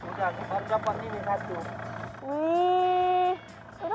udah baru dapet ini satu